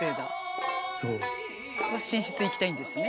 寝室行きたいんですね。